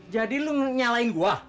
jadi lu nyalain gua